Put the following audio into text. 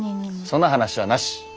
その話はなし！